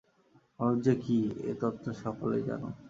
মানুষ যে কি, এ তত্ত্ব সকলেই জানুক।